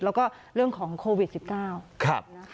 แล้วก็เรื่องของโควิด๑๙นะคะ